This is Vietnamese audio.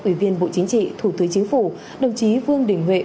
ủy viên bộ chính trị thủ tướng chính phủ đồng chí vương đình huệ